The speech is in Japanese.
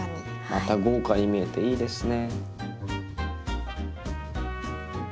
また豪華に見えていいですね。